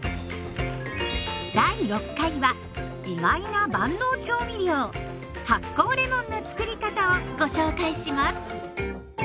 第６回は意外な万能調味料発酵レモンのつくり方をご紹介します。